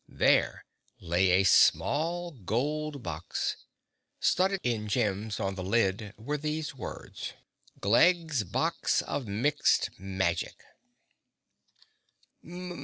There lay a small gold box. Studded in gems on the lid were these words: Glegg's Box of Mixed Magic.